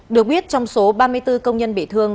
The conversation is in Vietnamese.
được biết trong số ba mươi bốn công nhân bị thương